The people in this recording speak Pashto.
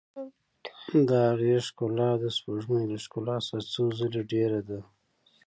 د هغې ښکلا د سپوږمۍ له ښکلا څخه څو ځلې ډېره ده.